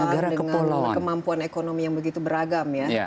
dengan kemampuan ekonomi yang begitu beragam ya